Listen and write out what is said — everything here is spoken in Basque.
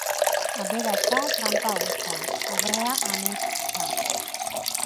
Aberatsa tranpa hutsa, pobrea amets hutsa.